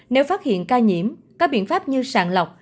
nếu phát hiện ca nhiễm các biện pháp như sàn lọc